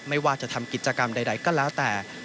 ไม่ว่าจะทำกิจกรรมใดก็แล้วแต่